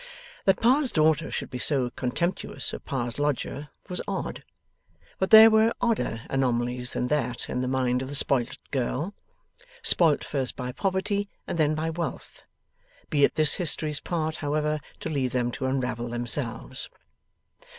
That Pa's daughter should be so contemptuous of Pa's lodger was odd; but there were odder anomalies than that in the mind of the spoilt girl: spoilt first by poverty, and then by wealth. Be it this history's part, however, to leave them to unravel themselves.